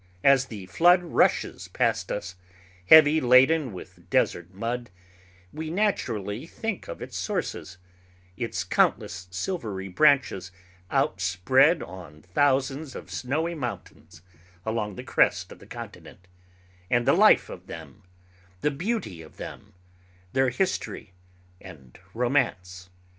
As the flood rushes past us, heavy laden with desert mud, we naturally think of its sources, its countless silvery branches outspread on thousands of snowy mountains along the crest of the continent, and the life of them, the beauty of them, their history and romance.